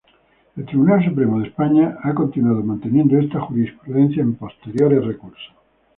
El Tribunal Supremo de España ha continuado manteniendo esta jurisprudencia en posteriores recursos.